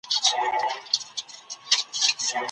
سردار باید د خپلو خلګو ساتنه وکړي.